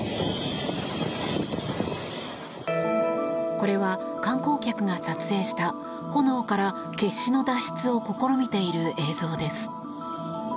これは観光客が撮影した炎から決死の脱出を試みている映像です。